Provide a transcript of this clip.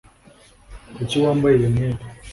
Kuki wambaye iyo myenda